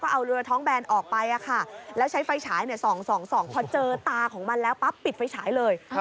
เอาเรือท้องแบนออกไปแล้วใช้ไฟฉายส่องพอเจอตาของมันแล้วปั๊บปิดไฟฉายเลย